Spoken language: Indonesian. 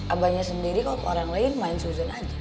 abahnya sendiri kalo sama orang lain main seuzon aja